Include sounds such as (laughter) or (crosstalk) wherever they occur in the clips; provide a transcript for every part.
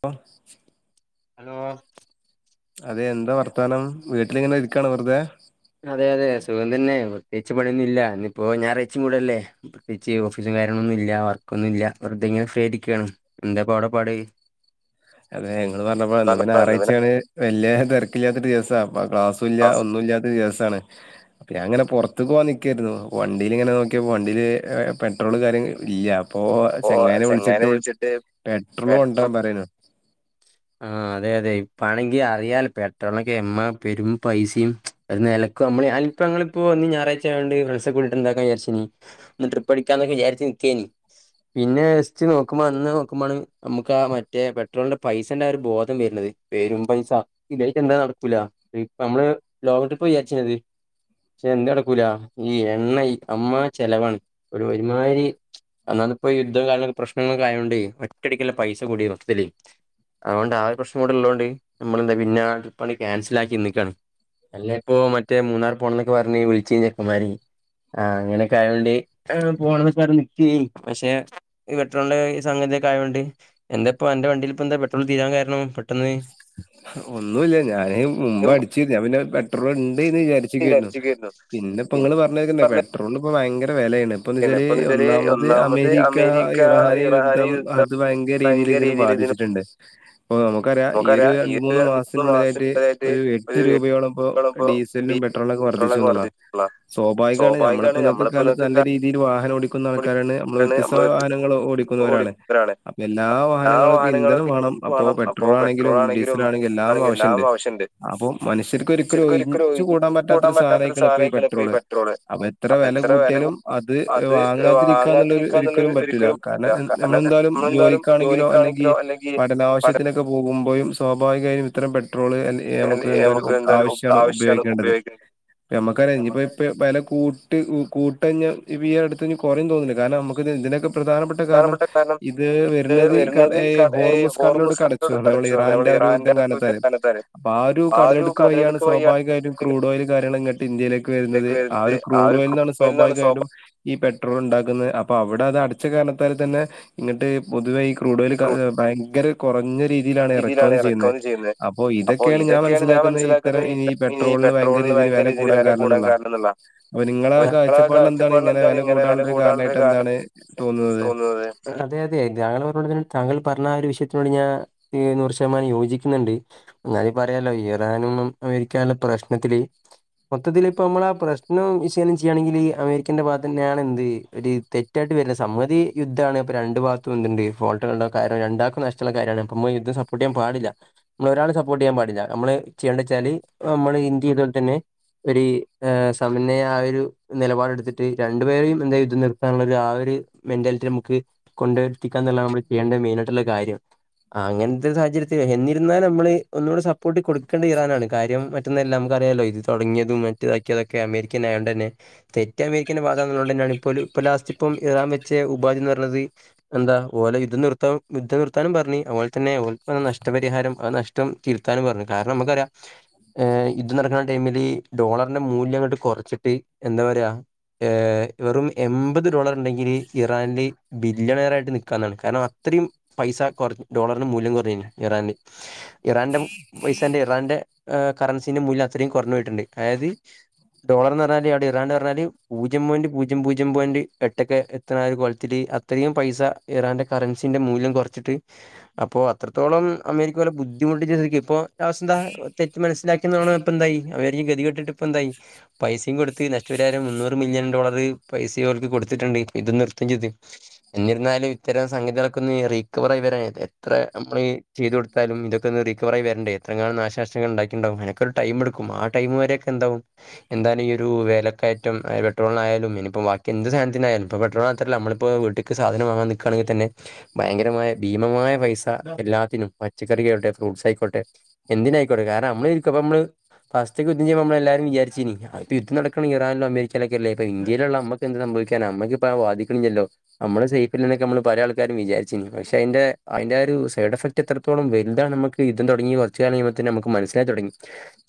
പ്പെ ഹലോ അതെ എന്താ വർത്താനം വീട്ടിലിങ്ങനെ ഇരിക്കയാണ് വെറുതെ അതെ അതെ സുഖം തന്നെ പ്രത്യേകിച്ച് പണിയൊന്നും ഇല്ല ഇപ്പോ ഞായറാഴ്ചും കൂടല്ലേ പ്രത്യേകിച്ച് ഓഫീസും കാര്യങ്ങളൊന്നും ഇല്ല വർക്കൊന്നും ഇല്ല വെറുതെങ്ങനെ ഫ്രീ ആയിരിക്കാണ് എന്താപ്പ അവിടെ പാട് അതെ നിങ്ങള് പറഞ്ഞപ്പോലെ ഇന്ന് ഞായറാഴ്ചയാണ് വലിയ തിരക്കില്ലാത്തൊരു ദിവസം അപ്പോ ക്ലാസും ഇല്ല ഒന്നും ഇല്ലാത്ത ദിവസമാണ് അപ്പോ ഞാ ഇങ്ങനെ പുറത്തക്ക് പോവാൻ നിക്കായിരുന്നു വണ്ടിൽ ഇങ്ങനെ നോക്കിയപ്പോ വണ്ടിയില് പെട്രോള് കാര്യം ഇല്ല അപ്പോ ചെങ്ങായിനെ വിളിച്ചിട്ട് പെട്രോൾ കൊണ്ട് വരാൻ പറയണ് ആഹ അതെ അതെ ഇപ്പാണെങ്കി അറിയാല പെട്രോളിനൊക്കെ എമ്മ പെരും പൈസയും നെലക്കും അമ്മള് ഞാനിപ്പോ ഞങ്ങളിപ്പോ ഇന്ന് ഞായറാഴ്ചയായോണ്ട് ഫ്രണ്ട്സക്ക കൂടീട്ട് എന്താക്ക വിചാരിച്ചിനി ട്രിപ്പടിക്കാന്നൊക്കെ വിചാരിച്ച് നിക്കേനി പിന്നെ ജസ്റ്റ്‌ നോക്കുമ്പോ അന്ന് നോക്കുമ്പാണ് നമുക്ക് ആ മറ്റേ പെട്രോളിന്റ പൈ എന്റാരു ബോധം വരുന്നത് പെരും പൈസ ഇ എനിക്കെന്താ നടക്കൂല ഇപ്പ നമ്മള് ലോങ് ട്രിപ്പ് വിചാരിച്ചത് പക്ഷെ എന്ത് നടക്കൂല ഈ എണ്ണ ഈ അമ്മ ചെലവാണ് ഒരു ഒരുമായിരി അന്നാണ് ഇപ്പ യുദ്ധം കാരണം പ്രശ്നങ്ങൊക്കെ ആയോണ്ടേ ഒറ്റടിക്കല്ലേ പൈസ കൂടിയ മൊത്തത്തില് അതുകൊണ്ട് ആ ഒരു പ്രശ്നം കൂട ഉള്ളോണ്ട് നമ്മളെന്താ പിന്നാ ട്രിപ്പാണ് ക്യാൻസലാക്കി നിക്കാണ് അല്ലേ ഇപ്പോ മറ്റേ മൂന്നാർ പോണോന്നൊക്കെ പറഞ്ഞ് വിളിച്ച് ചെക്കന്മാര് ആ അങ്ങനെയൊക്കെ ആയതോണ്ടെ ആ പോവാനെന്നും പറഞ്ഞ് നിക്കേ പക്ഷെ ഇത് പെട്രോളിന്റെ ഈ സംഗതിയൊക്കെ ആയൊണ്ടെ എന്താ ഇപ്പോ എന്റെ വണ്ടിലിപ്പോ എന്താ പെ തീരാൻ കാരണം പെട്ടെന്ന് ഒന്നുല്ല ഞാന് മുമ്പ് അടിച്ച് ഞാൻ പിന്ന പെട്രോൾ ഇണ്ട്ന്ന് വിചാരിച്ചിക്കാരുന്നു പിന്നെ പെങ്ങള് പറഞ്ഞക്കുന്നെ പെട്രോളിനിപ്പ ഭയങ്ക ര വെലയാണ് ഇപ്പന്ന് വച്ചാല് ഒന്നാമതേ അമേരിക്ക ഇറാന് യുദ്ധം അത് ഭയങ്കര രീതീല് ഇതിനെ ബാധിച്ചിട്ടുണ്ട് അപ്പൊ നമുക്കറിയ ഈ ഒരു രണ്ട് മൂന്ന് മാസത്തിനുള്ളിലായിട്ട് ഒരു എട്ട് രൂപയോളം ഇപ്പൊ ഡീസലിനും പെട്രോളൊക്കെ വർദ്ധിച്ചുന്നുള്ള സ്വാഭാവികമാണ് നമ്മളിപ്പോ ഇന്നത്തെ കാലത്ത് നല്ല രീതി ഈ രു വാഹനം ഓടിക്കുന്ന ആൾക്കാരാണ് അമ്മള് വ്യത്യസ്തമായ വാഹനങ്ങള് ഓടിക്കുന്നവരാണ് അപ്പൊ എല്ലാ വാഹനങ്ങൾക്കും ഇന്ധനം വേണം അപ്പോ പെട്രോളാണെങ്കിലും ഡീസലാണെങ്കി എല്ലാം ആവശ്യണ്ട് അപ്പൊ മനുഷ്യർക്ക് ഒരിക്കലും ഒഴിച്ചു കൂടാൻ പറ്റാത്ത ഒരു സാനായിക്കണ് ഇപ്പൊ ഈ പെട്രോള് അപ്പൊ എത്ര വെല കൂട്ട്യാലും അത് വാങ്ങാതിരിക്കാന്നുള്ളൊരു ഒരിക്കലും പറ്റൂല്ല കാരണം നമ്മളെന്തായാലും ജോലിക്കാണെങ്കിലോ അല്ലെങ്കി പഠനാവശ്യത്തിനക്ക പോകുമ്പോഴും (unintelligible) ഇത്രയും പെട്രോള് എന്ത് എ നമുക്ക് എന്തായാലും ആവശ്യാണ് ഉപയോഗിക്കേണ്ടത് നമ്മക്കറിയാം ഇനീപ്പ ഇപ്പ വെല കൂട്ടി കൂ കൂട്ടഞ്ഞാൽ ഇപ്പ ഈ അടുത്തിനി കൊറയും തോന്നുന്നില്ല കാരണം നമക്ക് ഇതിനൊക്കെ പ്രധാനപ്പെട്ട കാരണം ഇത് വരുന്നത് ഈ കട ഏഹ് ഹോർമോസ് കടിലൊടുക്കടച്ചു ആന്റ ഒരു യുദ്ധം കാലത്താണ് അപ്പ ആ ഒരു കടലൊടുക്ക് വഴിയാണ് സ്വാഭാവികമായിട്ടും ക്രൂഡോയില് കാര്യങ്ങളും ഇങ്ങട്ട് ഇന്ത്യയിലേക്ക് വരുന്നത് ആ ഒരു ക്രൂഡോയിൽന്നാണ് സ്വാഭാവികായിട്ടും ഈ പെട്രോൾ ഉണ്ടാക്കുന്നത് അപ്പൊ അവിട അത് അടച്ച കാരണത്താല് തന്നെ ഇങ്ങട്ട് പൊതുവെ ക്രൂഡോയില് ക ആ ഭയങ്കര കൊറഞ്ഞ രീ തിയിലാണ് എറ ലാണ് ഏറക്കുമതി ചെയ്യുന്നെ അപ്പോ ഇതൊക്കെയാണ് ഞാൻ മനസിലാക്കുന്നെ ഈ പെട്രോളിന് ഭയങ്കര രീതീല് വെല കൂടാൻ കാരണം എന്നുള്ള അപ്പോ നിങ്ങള കാഴ്ചപ്പാടിൽ എന്താണ് ഇങ്ങനെ വെല കൂടാനുള്ള കാര തോന്നുന്നത് താങ്കൾ പറഞ്ഞ ആ ഒരു വിഷയത്തിനോട് ഞാൻ നൂറ് ശതമാനം യോജിക്കുന്നുണ്ട് എന്നാലും പറയാലോ ഇറാനും അമേരിക്കായുള്ള പ്രശ്നത്തില് മൊത്തത്തിലിപ്പ അമ്മള പ്രശ്നം വിശലനം ചെയാണെങ്കിലീ അമേരിക്കെന്റെ ഭാഗത്ത് തന്നെയാണ് എന്ത് ഒരു തെറ്റായിട്ട് വരുന്ന സംഗതി യുദ്ധാണ് ഇപ്പ രണ്ടു ഭാഗത്തും എന്തുണ്ട് ഫോൾട്ടുകളുണ്ടാകാം കാര്യം രണ്ടാക്കും നഷ്ടള്ള കാര്യാണ് കമ്മോ യുദ്ധം സപ്പോർട്ടെയ്യാൻ പാടില്ല നമ്മള് ഒരാള് സപ്പോർട്ടെയ്യാൻ പാടില്ല നമ്മള് ചെയ്യേണ്ടച്ചാല് നമ്മള് ഇന്ത്യ ഇത്പോലെ തന്നെ ഒര് ആ സമന്വയ ആ ഒരു നിലപാടെടുത്തിട്ട് രണ്ടുപേരെയും എന്താ യുദ്ധം നിർത്താനുള്ള ഒരു ആ ഒരു മെന്റാലിറ്റി നമുക്ക് കൊണ്ടുവരുത്തിക്കാന്നുള്ള നമ്മള് ചെയ്യേണ്ട മെയിനായിട്ടുള്ള കാര്യാണ് ആ അങ്ങനെത്തെ സാഹചര്യത്തി എ എന്നിരുന്നാല് നമ്മള് ഒന്നൂട സപ്പോർട്ട് കൊടുക്കണ്ട ഇറാനാണ്. കാര്യം മറ്റൊന്നെല്ലാം നമുക്കറിയല്ലോ ഇത് തൊടങ്ങിയതും മറ്റതാക്കിയതൊക്കെ അമേരിക്കന്നെയായോണ്ടന്നെ തെറ്റ് അമേരിക്കേന്റെ ഭാഗാ ന്നൊള്ളോണ്ടന്നെയാണ് ഇപ്പോ ഒരു ഇപ്പ ലാസ്റ്റിപ്പം ഇറാൻ വച്ചെ ഉപാധീന്ന് പറഞ്ഞത് എന്താ ഓലെ യുദ്ധ നിർത്തും യുദ്ധ നിർത്താനും പർഞ്ഞ് അതുപോലെ തന്നെ ഓൽപ്പം നഷ്ടപരിഹാരം ആ നഷ്ടം തിരുത്താനും പറഞ്ഞു കാരണം നമുക്കറിയാം ഏഹ് യുദ്ധം നടക്കുന്ന ടൈമിലീ ഡോളറിന്റ മൂല്യംങ്ങട്ട് കൊറച്ചിട്ട് എന്താ പറയ എഹ് വെറും എൺപത് ഡോളറിണ്ടെങ്കില് ഇറാന്റെ ബില്യണയറായിട്ട് നിക്കാന്നാണ് കാരണം അത്രയും പൈസ കൊറ ഡോളറിന് മൂല്യം കൊറഞ്ഞിനി ഇറാന് ഇറാന്റം പൈസേന്റെ ഇറാന്റെ ആ കറൻസീന്റെ മൂല്യം അത്രയും കൊറഞ്ഞ് പോയിട്ടുണ്ട് അതായത് ഡോളറെന്ന് പറഞ്ഞാല് അവിടെ ഇറാന്ന് പറഞ്ഞാല് പൂജ്യം പോയിന്റ് പൂജ്യം പൂജ്യം പോയിന്റ് എട്ടൊക്കെ എത്തുന്ന ആ ഒരു കോലത്തില് അത്രയും പൈസ ഇറാന്റെ കറൻസിന്റെ മൂല്യം കൊറച്ചിട്ട് അപ്പോ അത്രത്തോളം അമേരിക്ക ഓലെ ബുദ്ധിമുട്ടിച്ച സ്ഥിതിക്ക് ഇപ്പൊ അവസ്ഥന്താ തെറ്റ് മനസ്സിലാക്കിയന്നോണം അപ്പന്തായി അമേരിക്കക്ക് ഗതി കെട്ടിട്ട് ഇപ്പന്തായി പൈസയും കൊടുത്ത് നഷ്ടപരിഹാരം മുന്നൂറ് മില്യൺ ഡോളറ് പൈസയും അവർക്ക് കൊടുത്തിട്ടുണ്ട് ഇത് നിർത്തേം ചെയ്ത് എന്നിരുന്നാലും ഇത്തരം സംഗതികളൊക്കൊന്ന് റീക്കവറായി വ ത് എത്ര നമ്മളീ ചെയ്ത് കൊടുത്താലും ഇതൊക്കൊന്ന് റിക്കവറായി വരണ്ടേ എത്രെങ്ങാണ്ട് നാശനഷ്ടങ്ങൾ ഉണ്ടായിട്ടിണ്ടാവും ആയിനക്കൊരു ടൈം എടുക്കും ആ ടൈം വരെയക്കെ എന്താവും എന്താലും ഈ ഒരു വെലക്കയറ്റം പെട്രോളിനായാലും ഇനിപ്പോ ബാക്കി എന്ത് സാനത്തിനായാലും ഇപ്പ പെട്രോളിന് മാത്രല്ല നമ്മളിപ്പോ വീട്ടിക്ക് സാധനം വാങ്ങാ നിക്കാണെങ്കി തന്നെ ഭയങ്കരമായ ഭീമമായ പൈസ എല്ലാത്തിനും പച്ചക്കറിക്കാവട്ടെ ഫ്രൂട്ട്സായിക്കോട്ടെ എന്തിനായിക്കോട്ടെ കാരണം അമ്മള് ഇരിക്കപ്പോ നമ്മള് ഫസ്റ്റേക്ക് യുദ്ധം ചെയുമ്പ നമ്മളെല്ലാരും വിചാരിച്ചിനി അടുത്ത യുദ്ധം നടക്കണ ഇറാനിലോ അമേരിക്കയിലോക്കെയല്ലേ ഇപ്പ ഇന്ത്യയിലുള്ള അമ്മക്ക് എന്ത് സംഭവിക്കാന നമ്മക്കിപ്പം ബാധിക്കണില്ലല്ലോ നമ്മള് സേഫ് ഇല്ലെന്നൊക്കെ നമ്മള് പല ആൾക്കാരും വിചാരിച്ചിനി പക്ഷേ അയിന്റെ അയിന്റാ ഒരു സൈഡ് എഫക്ട് എത്രത്തോളം വലുതാണ് നമുക്ക് യുദ്ധം തുടങ്ങി കുറച്ച് കാലം കഴിയുമ്പ തന്ന നമുക്ക് മനസ്സിലായി തൊടങ്ങി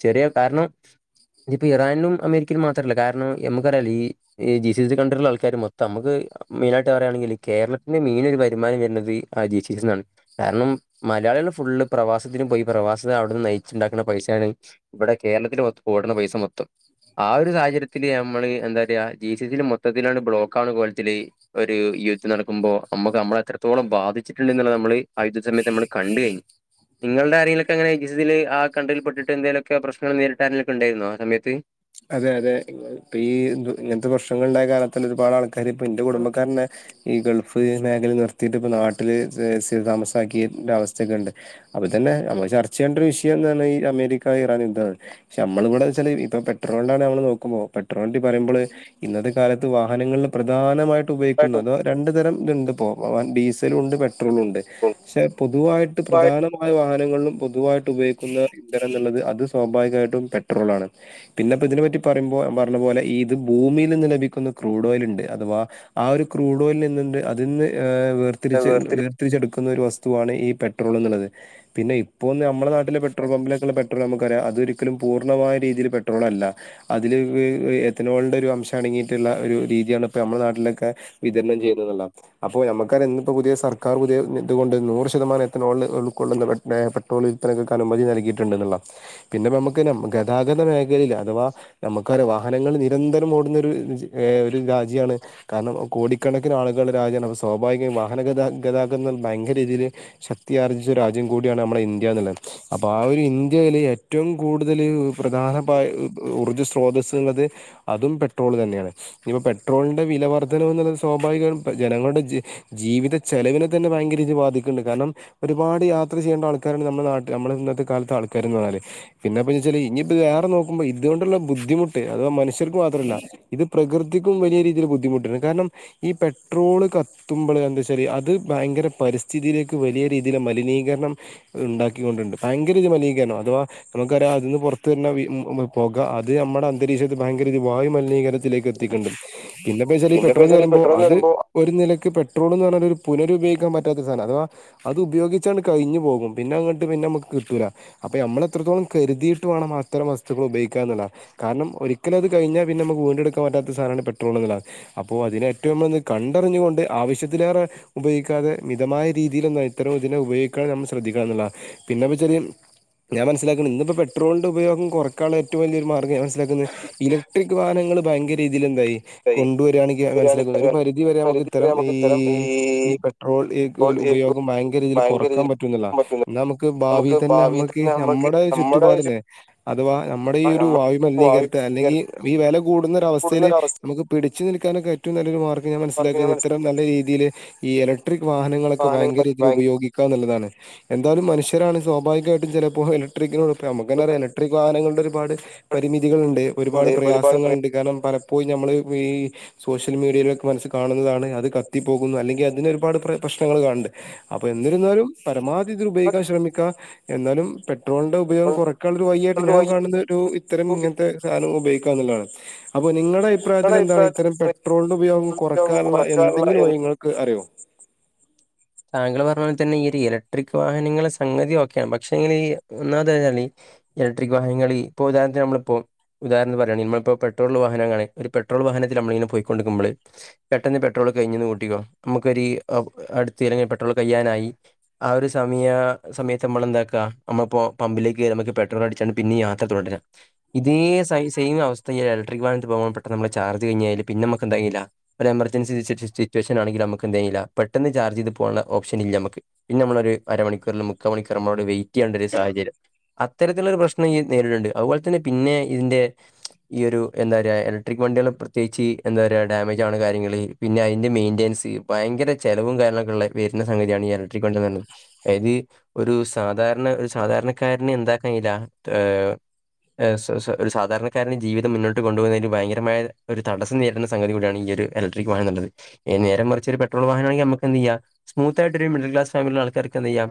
ചെറിയ കാരണം ഇനീപ്പ ഇറാനിനും അമേരിക്കേനും മാത്രല്ല കാരണം നമുക്കറിയാല ഈ ഈ ജി സി സി കൺട്രീലൊള്ള ആൾക്കാര് മൊത്തം നമുക്ക് മെയിനായിട്ട് പറയാണെങ്കില് കേരളത്തിന്റെ മെയിൻ ഒരു വരുമാനം വരുന്നത് ആ ജി സി സിന്നാണ് കാരണം മലയാളികള് ഫുള്ള് പ്രവാസത്തിനും പോയി പ്രവാസത്തെ അവിടുന്ന് നയിച്ചുണ്ടാക്കണ പൈസയാണ് ഇവിടെ കേരളത്തില് ഓ ഓടണ പൈസ മൊത്തം ആ ഒരു സാഹചര്യത്തില് നമ്മള് എന്താ പറയാ ജി സി സീല് മൊത്തത്തിലാണ് ബ്ലോക്കാണ് കോലത്തില് ഒര് യുദ്ധം നടക്കുമ്പോ നമ്മുക്ക് നമ്മള എത്രത്തോളം ബാധി ച്ചിട്ടുണ്ടെന്നുള്ളത് നമ്മള് ആ യുദ്ധ സമയത്ത് നമ്മള് കണ്ട് കഴിഞ്ഞ് നിങ്ങളുടെ ആരെങ്കിലൊക്കെ അങ്ങനെ ജിസിസീല് ആ കൺട്രീല് പെട്ടിട്ട് എന്തേലൊക്കെ പ്രശ്നങ്ങള് നേരിട്ടാരേലുവോക്കെ ഉണ്ടേരുന്നോ ആ സമയത്ത് അതെ അതെ ഇപ്പൊ ഈ ഇങ്ങനത്തെ പ്രശ്ങ്ങളുണ്ടായ കാലത്ത് ഒരുപാട് ആൾ കാര്യം ഇപ്പ എന്റെ കുടുംബക്കാരനെ ഈ ഗൾഫ് ഇ മേഖല നിർത്തിയിട്ട് ഇപ്പ നാട്ടിൽ സ്ഥിരതാമസം ആക്കിയിട്ട് അവസ്ഥയൊക്കെ ഉണ്ട് അപ്പ തന്നെ നമ്മൾ ചർച്ച ചെയ്യേണ്ട ഒരു വിഷയാണ് ഈ അമേരിക്ക ഇറാൻ യുദ്ധ ആണ് പക്ഷെ നമ്മൾ കൂടെന്ന് വെച്ചാൽ ഇപ്പൊ പെട്ടെന്ന് പെട്രോളി നമ്മൾ നോക്കുമ്പോൾ പെട്രോളി പറയുമ്പോൾ ഇന്നത്തെ കാലത്ത് വാഹനങ്ങളിൽ പ്രധാനമായിട്ട് ഉപയോഗിക്കുന്നത് അതോ രണ്ടു തരം ണ്ട് പോ ഭവാൻ ഡീസലുണ്ട് പെ ണ്ട് പക്ഷെ പൊതുവായിട്ട് പ്രധാനമായി ങ്ങളിലും പൊതുവായിട്ട് ഉപയോഗിക്കുന്ന ഇന്ധനം എന്നുള്ളത് അത് സ്വാഭാവികമായിട്ടും പെട്രോൾ ആണ് പിന്നെ അപ്പോ ഇതിനെ പറ്റി പറയുമ്പോ പറഞ്ഞ പോലെഈ ഇത് ഭൂമിയിൽ നിന്ന് ലഭിക്കുന്ന ക്രൂഡ് ഓയിൽ ഉണ്ട് അഥവാ ആ ഒരു ക്രൂഡ് ഓയിൽ നിന്നുണ്ട് അതിന്ന് വേർ തിരിച്ച് വേർത്തിരിച്ചെടുക്കും വസ്തു ആണ് ഈ പെട്രോൾ എന്നുള്ളത് പിന്നെ ഇപ്പോ നമ്മടെ നാട്ടിലെ പെട്രോൾ പമ്പിലക്കെ നമുക്കറിയ അതൊരിക്കലും പൂർണമായ രീതിയിൽ പട്ട പെട്രോൾല്ല അതില് എത്തനോളിന്റെ ഒരു അംശം അണങ്ങിയിട്ടുള്ള ഒരു രീതിയാണ് ഇപ്പോ നമ്മുടെ നാട്ടിലൊക്കെ വിതരണം ചെയ്യുന്ന എന്നുള്ളത് അപ്പോ നമുക്കിപ്പോ പുതിയ സർക്കാർ പുതിയ ഇതുകൊണ്ട് നൂറ് ശതമാനം എത്തനോൾ ഉൾക്കൊള്ളുന്ന പെട്രോൾ വിൽപ്പനൊക്കെ അനുമതി നൽകിയിട്ടുണ്ട് എന്നുള്ള പിന്നെ നമുക്ക് ഗതാഗത ഇല്ല അഥവാ നമ്മ കർ വ വഹനങ്ങൾ നിരന്തരം ഓടുന്നൊ ഒരു ഒരു രാജ ജ്യണ് കാരണം കോടി ക്കണക്കിന് ആളുകളുടെ രാജ്യമാണ് അപ്പോൾ സ്വാഭാവികമായി വാഹന ഗത ഗതാഗതം ഭയങ്കര രീതിയിൽ ശക്തിയാർജിച്ച രാജ്യം കൂടിയാണ് നമ്മുടെ ഇന്ത്യ എന്നുള്ളത് അപ്പോൾ ആ ഒരു ഇന്ത്യയിൽ ഏറ്റവും കൂടുതൽ പ്രധാന പാ (inaudible) സ്രോതസ്സള്ളത് അതും പെട്രോൾ തന്നെയാണ് ഇപ്പ പെട്രോളിന്റെ വില വർധനം എന്നുള്ള സ്വാഭാവികം ജനങ്ങളുടെ ജീവിത ചെലവിനെ തന്നെ ഭയങ്കര ഇതി ബാധിക്കുന്നുണ്ട് കാരണം ഒരുപാട് യാത്ര ചെയ്യേണ്ട ആൾക്കാരാണ് നമ്മുടെ നാ നമ്മുടെ ഇന്നത്തെ കാലത്ത്ത്തെ ആൾക്കാരന്ന് പറഞ്ഞാല് പിന്നെപ്പോ വെച്ചാല് ഇനിപ്പോ വേറെ നോ ഇതുകൊണ്ടുള്ള ബുദ്ധിമുട്ട് അഥവാ മനുഷ്യർക്ക് മാത്രമല്ല ഇത് പ്രകൃതിക്കും വലിയ രീതിൽ ബുദ്ധിമുട്ടാണ് കാരണം ഈ പെട്രോള് കത്തുമ്പോൾ എന്താ വച്ച അത് ഭയങ്കര പരിസ്ഥിതിയിലേക്ക് വലിയ രീതിയിലൽ മലിനീകരണം ഉണ്ടാക്കിക്കൊണ്ടുണ്ട് ഭയങ്കര മലിനീകരണം അഥവാ നമുക്കറിയാം അതിന്ന് പുറത്തു വരുന് പുക അത് നമ്മുടെ അന്തരീക്ഷത്തിൽ ഭയങ്കര ഇ വായുുമലിനീകര ത്തിലേക്ക് എത്തിക്കണ്ട് പിന്നെച്ചാൽ ഈ പെട്രോൾയുമ്പോ അത് ഒരു നിലക്ക് പെട്രോൾ എന്ന് പറഞ്ഞ പുന ഉപയോഗിക്കാ പറ്റാത്ത സാനം അഥവാ അത് ഉപയോഗിച്ചാണ് കഴിഞ്ഞു പോകും പിന്നെ അങ്ങോട്ട് പിന്നെ നമുക്ക് കിട്ടൂല അപ്പൊ നമ്മള എത്രത്തോളം കരുതിയിട്ട് വേണം മാത്രം വസ്തുക്കൾ ഉപയോഗിക്കുക എന്നുള്ള കാരണം ഒരിക്കലും അത് കഴിഞ്ഞാൽ പിന്നെ നമുക്ക് വീണ്ടെടുക്കാൻ പറ്റാത്ത സാധനമാണ് പെട്രോൾ എന്നുള്ളത് അപ്പോ അതിനെ ഏറ്റവും നല്ലത് കണ്ടറിഞ്ഞുകൊണ്ട് ആവശ്യത്തിലേറെ ഉപയോഗിക്കാതെ മിതമായ രീതിയിൽ ഇത്തരം ഇതിനെ ഉപയോഗിക്കാൻ നമ്മൾ ശ്രദ്ധിക്കുക എന്നുള്ള പിന്നെ വെച്ച ഞാൻ മനസിലാക്കുന്നു ഇന്ന് ഇപ്പോൾ പെട്രോളിൻ്റെ ഉപയോഗം കുറ ഏറ്റവും വലിയ ഒരു മാർഗം മനസിലാക്കുന്നത് ഇലക്ട്രിക് വാഹനങ്ങൾ ഭയങ്ക രീതിയില എന്തായി കൊണ്ടുവരിയാണെങ്കൻ മനസ്സിലാക്കുന്നത് ഒരു പരിധി വരെ നമുക്ക് ഇത്തരം ഈ ഈ പെട്രോൾ ഉപയോഗം ഭയങ്കര രീതിയിൽ കുറക്കാൻ പറ്റുന്നില്ല ഇ നമുക്ക് ഭാവിയിൽ തന്നെ നമ്മുക്ക് നമ്മുടെ ചുറ്റുപാടിനെ അഥവാ നമ്മുടെ ഈ ഒരു വായുമലിനീകരത്തെ അല്ലെങ്കിൽ ഈ വില കൂടുന്നൊരവസ്ഥയിൽ നമുക്ക് പിടിച്ചു നിൽക്കാനൊക്കെ ഏറ്റവും നല്ലൊരു മാർക്ക് ഞാൻ മനസിലാക്കുന്നത് ഇത്തരം നല്ല രീതിയിയില് ഈ എരട്ട് ഇലട്രിക് വാഹനങ്ങളൊക്കെ ഭയങ്കര ഇതിൽ ഉപയോഗിക്കുക എന്നുള്ളതാണ് എന്താലും മനുഷ്യരാണ് സ്വാഭാവികമായിട്ടും ചിലപ്പോൾ ഇലക്ട്രിക്കിനോട നമുക്കന്നറല്ല വാഹനങ്ങളുടെ ഒരുപാട് പരിമിതി ണ്ട് ഒരുപാട് പ്രയാസങ്ങൾണ്ട് കാരണം പലപ്പോഴും നമ്മള് വീ സോഷ്യൽ മീഡിയലൊക്കെ മനസ്സ് കാണുന്നതാണ് അത് കത്തി പോകുന്നു അല്ലെങ്കി അതിന് ഒരുപാട് പ്ര പ്രശ്നങ്ങൾ കാണ് ണ്ട് അപ്പ എന്തിര്ന്നാലും പരമാ ത് ഉപയോഗിക്കാൻ ശ്രമിക്ക എന്നാലും പെ പെടോളിന്റെ ഉപയോഗം കുറക്കാനുള്ള ഒരു വയി ഞാൻ കാണുന്ന രു ഇത്തരം ഇങ്ങത്തെ സാധനം ഉപയോ- ഗിക്കാന്ന്ള്ളതാണ് അപ്പോ നിങ്ങളേ അഭിപ്രായത്തില് എന്താണ് ഇത്തരം പെട്രോളിന്റെ ഉപയോഗം കൊറക്കാള്ള എന്തെങ്കിലും വഴി ഇങ്ങൾക്ക് അറിയോ താങ്കൾ പറഞ്ഞ പോലെ തന്നെ ഈ ഒരു ഇലക്ട്രിക് വാഹനങ്ങളെ സംഗതി ഒക്കെയാണ് പക്ഷെ ഇങ്ങനെഈ ഒന്നാമഞ്ഞാ (unintelligible) ല് ഇലക്ട്രിക് വാഹനങ്ങൾ ഇപ്പോൾ ഉദാരണത്തിനി നമ്മളിപ്പോ ഉദാഹരണം പറയാണങ്കി മ്മളിപ്പോ പെട്രോളള് വാഹനങ്ങളണെ ഒരു പെ്രോൾ വാഹനൽ നമ്മളിങ്ങനെ പോയിക്കൊടുക്കുമ്പോൾ പെട്ടെന്ന് പെട്രോൾ കഴിഞ്ഞൂന്ന് കൂട്ടിക്കോ നമ്മക്കൊര് അട്ത്ത സ്ീ (unintelligible) ര പെട്രോള് കയ്യാനായി ആ ഒരു സമയ സമയത്ത് നമ്മള് എന്താക്കാ നമ്മപ്പോ പമ്പിലേക്ക് ചെന്നിട്ട് പെട്രോൾ അടിച്ചാണ്ട് പിന്നെ യാത്ര തുടര ഇതേ സ് ടൈംസയിം അവസ്ഥ ഈ ഇലക്ട്രക് വൺ (unintelligible) പോകൻ പെട്ടന്ന് നമ്മളെ ചാർജ്‌ കഴിഞ്ഞാൽ പിന്നെമ്മക്ക്എന്തയ്യില്ലാ ഒരു എമർജൻസി (unintelligible) സിറ്റുവേഷൻ ആണെങ്കി നമ്മക്കന്തയില്ലാ പെട്ടന്ന് ചാർജയ്ത് പോണ ഓപ്ഷനില്ല നമ്മക്ക് പിന്നെ നമ്മളോരു അരമണിക്കൂറല്ല മുക്ക മണിക്കൂർ നമ്മളോട് വെയിറ്റ് ചെയ്യേണ്ട ഒരു സാഹചര്യം അത്തരത്തിലുള്ള ഒരു പ്രശ്നംഈ നേരിടുണ്ട് അതുപോലെ തന്നെ പിന്നെ ഇതിന്റെ ഈ ഒരു എന്താ പറയാ ഇലക്ട്രിക് വണ്ടികള് പ്രത്യേകിച്ച് എന്താ പറയാ ഡാമേജ് ആണ കാര്യങ്ങള് പിന്നെ അയ്ന്റെ മെയിന്റനൻസ് ഭയങ്കര ചെലവും കാര്ങ്ങളൊക്കെ ള്ള വേര്ന്ന സംഗതിയാണ് ഈ ഇലക്ട്രിക് വണ്ടി വർണ ത് അതായത് ഒരു സാധാരണ ഒരു സാധാരണക്കാരനെ എന്താക്കയില്ല ആ ഒരു സാധണക്കാരനെ ജീവിതം മുന്നോട്ട് കൊണ്ടുപോകുന്നതിന് ഭയങ്കരമായ ഒരു തടസ്സം നേരിടുന്ന സംഗതി കൂടിയാണ് ഈ ഒരു ഇലക്ട്രിക് വാഹനം ന്ന്ള്ളത് ഇനി നേരെ മറിച്ചോരു പെട്രോൾ വാഹനാണെങ്കിൽ നമ്മക്ക് എന്ത് യ്യാം സ്മൂത്തായിട്ട് ഒരു മിഡിൽ ഫാമിലി ആൾക്കാർക്കത് എന്തയ്യാ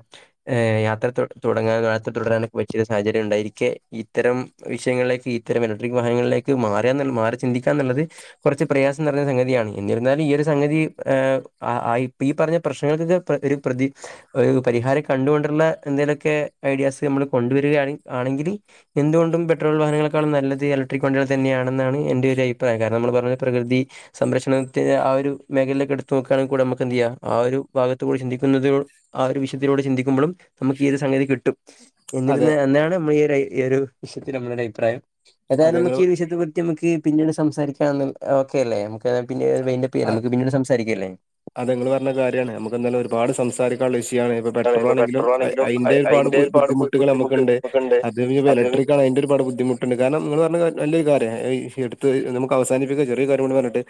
ഹേ യാത്ര തുടങ്ങ യാത്ര തുടരാനൊക്കെ പറ്റിയ സാഹചര്യം ഉണ്ടായിരിക്കേ ഇത്തരം വിഷയങ്ങളിലേക്ക് ഇത്തരം ഇലക്ട്രിക് വാഹനങ്ങളിലേക്ക് മാറാന് മാറി ചിന്തിക്കാ ന്നുള്ളത് കുറച്ച് പ്രയാസം നിറഞ്ഞ സംഗതിയാണ് എന്നിരുന്നാലും ഈ ഒരു സംഗതി ഹേ ആ ആ ഈ പറഞ്ഞ പ്രശ്നങ്ങൾക്കൊക്കെ പതറി പ്രതി ഒരു പരിഹാരം കണ്ടുകൊണ്ടുർണ്ണ എന്തെലോക്കെ ഐഡിയാസ് നമ്മൾ കൊണ്ടുവരികണ് ആണെങ്കിൽ എന്ത്കൊണ്ടും പെട്രോൾ വാഹനങ്ങളെക്കാളും നല്ലത് ഇലക്ട്രിക് വണ്ടികൾ തന്നെയാണെന്നാണ് എന്റെയോരു അയ്പ്രായം കാരണം നമ്മള് പറഞ്ഞ പ്രകൃതി സംരക്ഷണത്തെ ആ ഒരു മേഖലയിലേക്ക് എടുത്ത് നോക്കാണങ്കി കൂടെ നമുക്ക് എന്ത് ചെയ്യാ ആ ഒരു ഭാഗത്ത് കൂടി ചിന്തിക്കുന്നതിനോ ആ ഒരു വിഷത്തിലൂടെ ചിന്തിക്കുമ്പോളും നമുക്ക് ഈ ഒര് സംഗതി കിട്ടും എന്നിരുന്ന എന്നാണ് നമ്മയെ ടെ ഈ ഒരു വിഷയത്തിൽ നമ്മളൊരു അഭിപ്രായം അതായത് നമക്ക് ഈ വിഷയത്തെ പറ്റി നമ്മക്ക് പിന്നീട് സംസാരിക്കാം ഓക്കെ അല്ലേ നമക്ക് പിന്നെ വൈന്റപ്പയ്യല്ലേ നമക്ക് പിന്നീട്സംസാരിക്കല്ലേ കാര്യാണ് നമ്മക്ക് ഒരു പാട് സംസാരിക്കാന്ള്ളേ വിഷയാണ് ഇ പെട്രോളാണെങ്കിലും അയ്ന്റെ പാട് ബുദ്ധിമുട്ടുകളും നമക്ക്ണ്ട് അത് ഇലക്ട്രിക് ആണെങ്കിലും അയ്ന്റെ ഒരു പാട് ബുദ്ധിമുട്ട്ണ്ട് കാരണം ഇങ്ങള് (unintelligible) എടുത്ത് നമക്ക് അവസാനിപ്പിക്കാ ചെറിയ കാര്യം കൂടി പറഞ്ട്ട്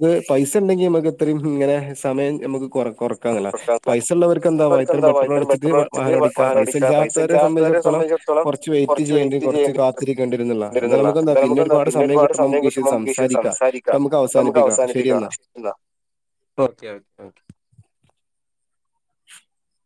ഇത് പൈസ ഇണ്ടെങ്കി ഞമ്മക്ക് എത്റിം ഇങ്ങനെ സമയം ഞമ്മക്ക് കൊകൊർക്കാ ക്കാന്ന്ള്ളാ പൈസ ഉള്ളവർക്ക് എന്താവാ ഇത്രം പെട്രോളടിച്ചിട്ട് വാഹനം ഓടിക്കാ പൈസ ഇല്ലാത്തവരെ സംബന്ധിചെട്ത്തോളം കൊർച്ച് വെയ്റ്റ് ചെയ്യേണ്ടി കൊർച്ച് കാത്തിരിക്കേണ്ടിവരുന്ന്ള്ളതാണ് എന്താ നമക്ക് എന്താ പിന്നെ ഒരുപാട് സമയം കിട്ട്മ്പോ നമക്ക് സംസാരിക്കാ ന്നട്ട് നമക്ക് അവസാനിപ്പിക്കാ (unintelligible) (inaudible)